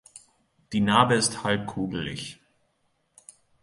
Die Narbe ist halbkugelig.